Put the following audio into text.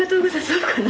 そうかな。